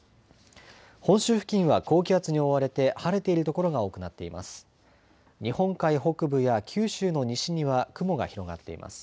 本州付近は高気圧に覆われて晴れている所が多くなっています。